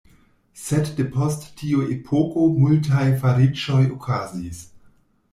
Sed depost tiu epoko multaj fariĝoj okazis.